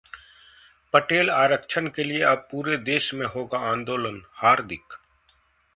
पटेल आरक्षण के लिए अब पूरे देश में होगा आंदोलनः हार्दिक